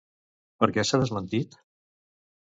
Per què s'ha desmentit?